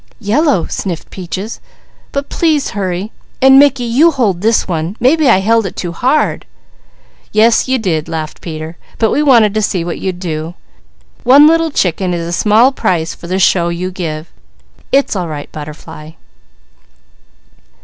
"Yellow," sniffed Peaches, "but please hurry, and Mickey, you hold this one. Maybe I held too hard!" "Yes you did," laughed Peter. "But we wanted to see what you'd do. One little chicken is a small price for the show you give. It's all right, Butterfly."